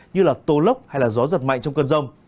như là tổ lốc hay là gió giật mạnh trong cơn rông